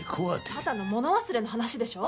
ただの物忘れの話でしょ？